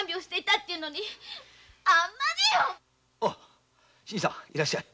あ新さんいらっしゃい。